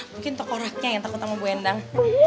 mungkin tokor raknya yang takut sama bu endang